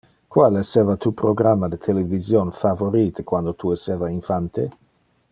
Qual esseva tu programma de television favorite quando tu esseva infante?